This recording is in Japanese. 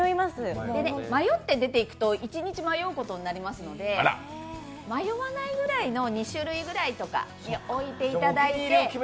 迷って出ていくと、一日迷うことになりますので、迷わないぐらいの２種類ぐらい置いていただいて。